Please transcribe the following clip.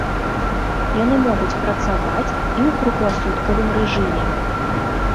Яны могуць працаваць і ў кругласуткавым рэжыме.